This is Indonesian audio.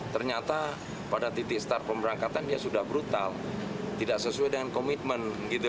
ternyata pada titik start pemberangkatan dia sudah brutal tidak sesuai dengan komitmen